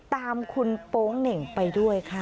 ตามคุณโป๊งเหน่งไปด้วยค่ะ